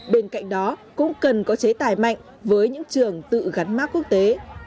bên cạnh đó cũng cần có chế tài mạnh với những trường tự gắn mát quốc tế